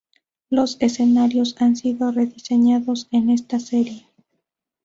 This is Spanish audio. Los escenarios han sido rediseñados en esta serie.